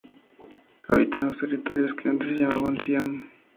Habita en los territorios que antes se llamaban Siam.